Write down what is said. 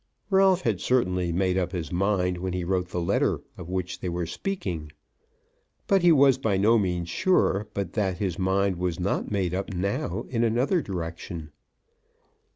Ralph had certainly made up his mind when he wrote the letter of which they were speaking, but he was by no means sure but that his mind was not made up now in another direction.